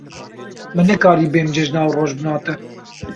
Min nekarî bêm cejna rojbûna te.